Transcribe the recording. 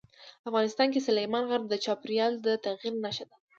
افغانستان کې سلیمان غر د چاپېریال د تغیر نښه ده.